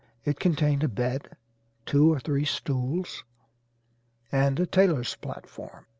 It contained a bed, two or three stools, and a tailor's platform.